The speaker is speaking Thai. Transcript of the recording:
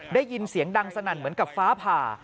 ได้ยินเสียงดังสนั่นเหมือนกับฟ้าผ่า